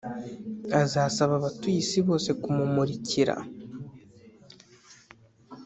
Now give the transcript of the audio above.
azasaba abatuye isi bose kumumurikira .